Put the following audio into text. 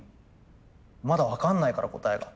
まだ分かんないから答えが。